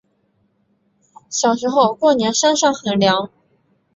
小时候过年山上很凉